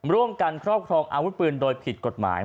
ร่วมกันครอบครองอาวุธปืนโดยผิดกฎหมาย